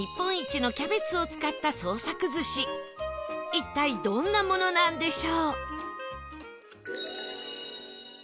一体どんなものなんでしょう？